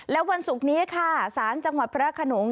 และวันศุกร์นี้ค่ะสารจังหวัดพระขนง